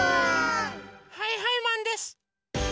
はいはいマンです！